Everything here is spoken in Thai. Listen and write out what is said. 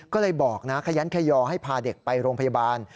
ก็เลยบอกนะขยันขยอให้พาเด็กไปโรงพยาบาล